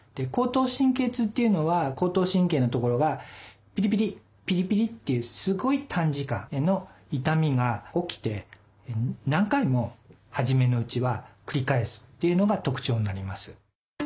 後頭神経痛っていうのは後頭神経の所がピリピリピリピリっていうすごい短時間の痛みが起きて何回も初めのうちは繰り返すっていうのが特徴になります。